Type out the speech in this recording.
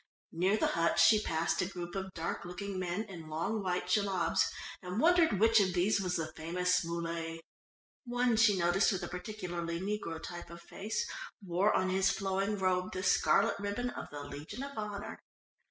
Near the huts she passed a group of dark looking men in long white jellabs, and wondered which of these was the famous Muley. One she noticed with a particularly negro type of face, wore on his flowing robe the scarlet ribbon of the Legion of Honour.